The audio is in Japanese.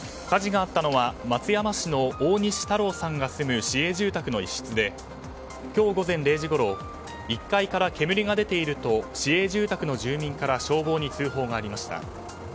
火事があったのは松山市の大西多良さんが住む市営住宅の一室で今日午前０時ごろ１階から煙が出ていると市営住宅の住民から消防に通報がありました。